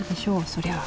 そりゃあ。